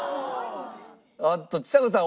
おっとちさ子さん